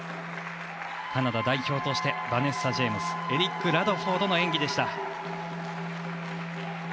カナダ代表としてバネッサ・ジェイムスエリック・ラドフォードの演技でした。